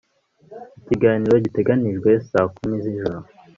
ikiganiro giteganijwe saa kumi zijoro